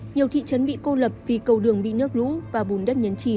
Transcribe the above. nhiều thị trấn bị cô lập vì cầu đường bị nước lũ và bùn đất nhấn chìm